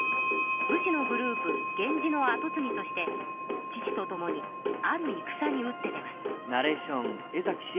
武士のグループ源氏のあとつぎとして父とともにあるいくさに打って出ます。